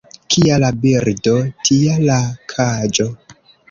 Kia la birdo, tia la kaĝo.